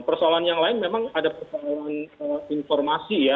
persoalan yang lain memang ada persoalan informasi ya